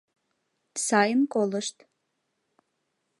Сайын колышт.